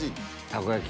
たこ焼き